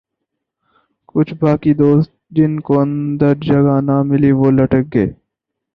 کچھ باقی دوست جن کو اندر جگہ نہ ملی وہ لٹک گئے ۔